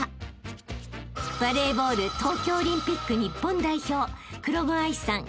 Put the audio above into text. ［バレーボール東京オリンピック日本代表黒後愛さん